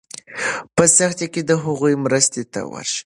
په سختۍ کې د هغوی مرستې ته ورشئ.